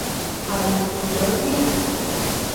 — Але суфлёр лият?